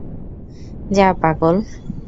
যা, পাগল।